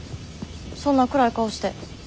そんな暗い顔して。